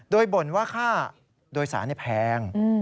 โดยบ่นว่าค่าโดยสารแพง